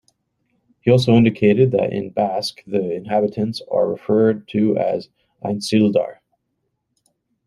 He also indicated that in Basque the inhabitants are referred to as "Aintzildar".